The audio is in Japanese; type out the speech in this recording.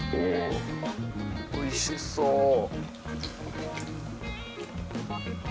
おいしそう。